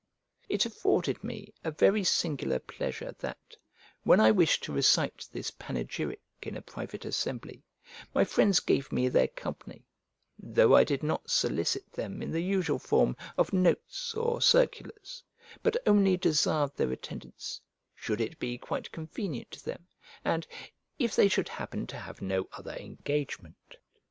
It afforded me a very singular pleasure that when I wished to recite this panegyric in a private assembly, my friends gave me their company, though I did not solicit them in the usual form of notes or circulars, but only desired their attendance, "should it be quite convenient to them," and "if they should happen to have no other engagement."